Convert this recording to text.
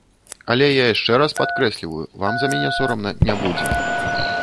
Але я яшчэ раз падкрэсліваю, вам за мяне сорамна не будзе.